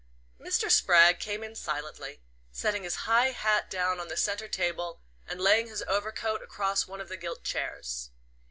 Mr. Spragg came in silently, setting his high hat down on the centre table, and laying his overcoat across one of the gilt chairs.